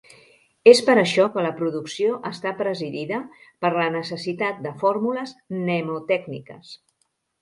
Es per això que la producció està presidida per la necessitat de fórmules mnemotècniques.